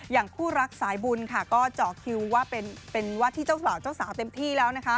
อย่างคู่รักสายบุญค่ะก็เจาะคิวว่าเป็นวัดที่เจ้าสาวเจ้าสาวเต็มที่แล้วนะคะ